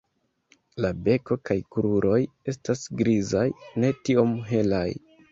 La beko kaj kruroj estas grizaj, ne tiom helaj.